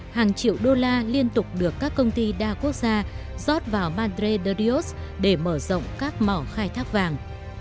hàng triệu đô la liên tục được các công ty đa quốc gia rót vào madre de rios để mở rộng các mỏ khai thác vàng